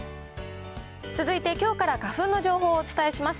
続いてきょうから花粉の情報をお伝えします。